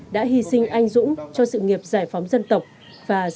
đã hy sinh anh dũng cho sự nghiệp giải phóng dân tộc và xây dựng bảo vệ tổ quốc